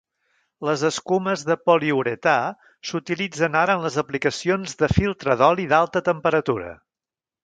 Les escumes de poliuretà s'utilitzen ara en les aplicacions de filtre d'oli d'alta temperatura.